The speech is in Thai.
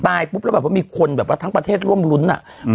ปุ๊บแล้วแบบว่ามีคนแบบว่าทั้งประเทศร่วมรุ้นอ่ะอืม